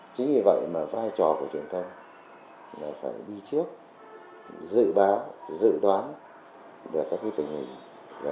chính vì vậy mà vai trò của truyền thông là phải đi trước dự báo dự đoán được các tình hình